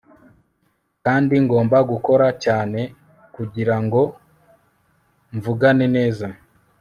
kandi ngomba gukora cyane kugirango mvugane neza